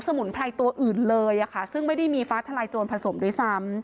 มุนไพรตัวอื่นเลยซึ่งไม่ได้มีฟ้าทลายโจรผสมด้วยซ้ำ